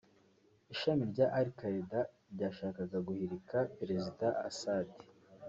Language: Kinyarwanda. ishami rya al-Qaeda ryashakaga guhirika Perezida Assad